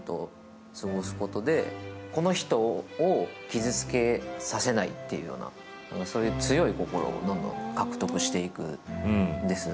この人を傷つけさせないというような、そういう強い心を獲得していくんです。